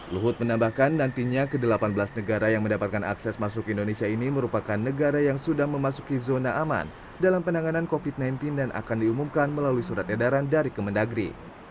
luhut menambahkan nantinya ke delapan belas negara yang mendapatkan akses masuk indonesia ini merupakan negara yang sudah memasuki zona aman dalam penanganan covid sembilan belas dan akan diumumkan melalui surat edaran dari kemendagri